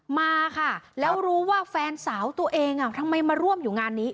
มาค่ะแล้วรู้ว่าแฟนสาวตัวเองทำไมมาร่วมอยู่งานนี้